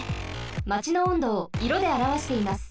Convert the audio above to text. マチの温度をいろであらわしています。